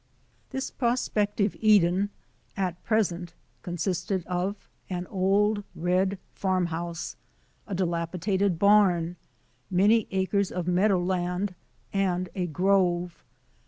This prospective Eden at present consisted of an old red farm house, a dilapidated bam, many acres of meadow land, and a grove.